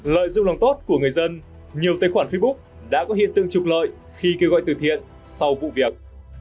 lợi dụng lòng tốt của người dân nhiều tài khoản facebook đã có hiện tượng trục lợi khi kêu gọi từ thiện sau vụ việc